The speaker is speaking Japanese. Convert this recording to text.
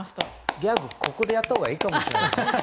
ギャグ、ここでやったほうがいいかもしれない。